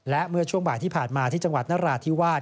และเมื่อช่วงบ่ายที่ผ่านมาที่จังหวัดนราธิวาส